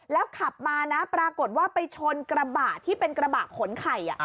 แล้วขับมานะปรากฏว่าไปชนกระบะที่เป็นกระบะขนไข่